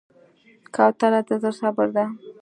کوتره د زړه صبر ده.